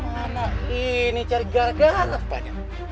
bagaimana ini cari gargang lepanya